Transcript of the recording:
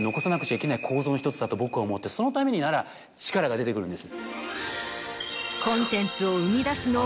だと僕は思ってそのためになら力が出てくるんです。